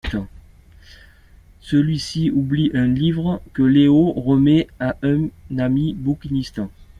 Celui-ci oublie un livre que Léo remet à un ami bouquiniste.